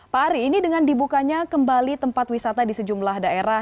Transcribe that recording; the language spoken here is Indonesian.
pak ari ini dengan dibukanya kembali tempat wisata di sejumlah daerah